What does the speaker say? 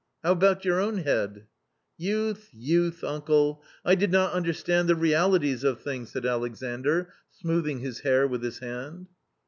How about your own head ?" "Youth, youth, uncle ! I did not understand the realities of things," said Alexandr, smoothing his hair with his hand.